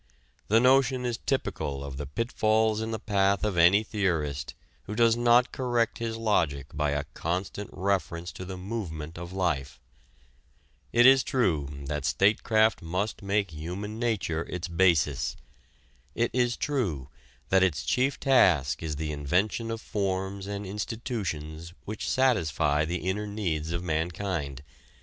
The notion is typical of the pitfalls in the path of any theorist who does not correct his logic by a constant reference to the movement of life. It is true that statecraft must make human nature its basis. It is true that its chief task is the invention of forms and institutions which satisfy the inner needs of mankind.